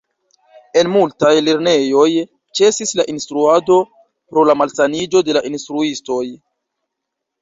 En multaj lernejoj ĉesis la instruado pro la malsaniĝo de la instruistoj.